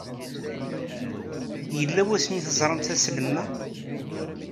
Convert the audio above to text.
Yella wasmi ay teẓramt aslem-a?